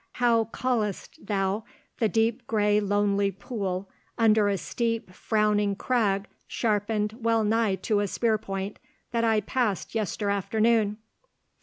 How call'st thou the deep gray lonely pool under a steep frowning crag sharpened well nigh to a spear point, that I passed yester afternoon?"